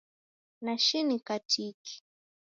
Nashinika tiki